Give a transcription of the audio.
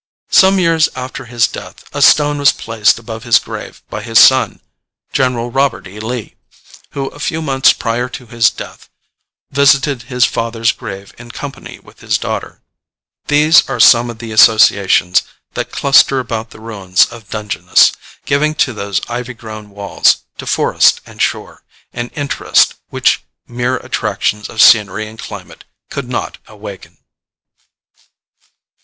Some years after his death a stone was placed above his grave by his son, General Robert E. Lee, who a few months prior to his death visited his father's grave in company with his daughter. These are some of the associations that cluster about the ruins of Dungeness, giving to those ivy grown walls, to forest and shore, an interest which mere attractions of scenery and climate could not awaken.